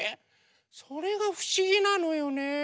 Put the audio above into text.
それがふしぎなのよね。